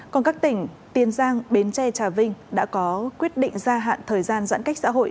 còn các tỉnh tiền giang bến tre trà vinh đã có quyết định gia hạn thời gian giãn cách xã hội